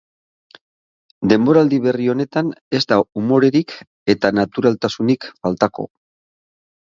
Denboraldi berri honetan ez da umorerik eta naturaltasunik faltako.